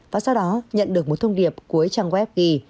và sau đó nhận được một thông điệp cuối trang web ghi